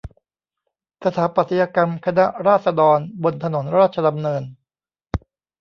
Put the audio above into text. สถาปัตยกรรมคณะราษฎรบนถนนราชดำเนิน